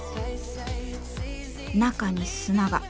中に砂が。